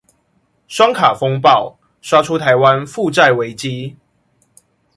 雙卡風暴刷出台灣負債危機